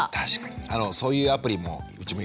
そういうアプリもうちも入れてました。